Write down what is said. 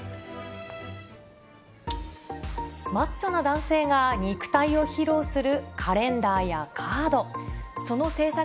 マッチョな男性が肉体を披露するカレンダーやカード。